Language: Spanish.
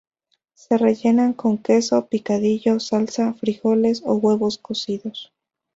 Se rellenan con queso, picadillo, salsa, frijoles o huevos cocidos.